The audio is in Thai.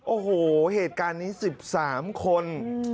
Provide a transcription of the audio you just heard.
โอ้โหเหตุการณ์นี้๑๓คน